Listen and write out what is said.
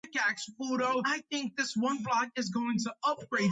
თუმცა არაა გამორიცხული რომ ის ფარსმანი რომელიმე საერისთავოს ლიდერი ყოფილიყოს.